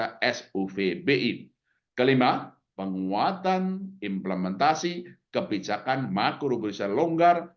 nomor lima penguatan implementasi kebijakan makro rekrutasi longgar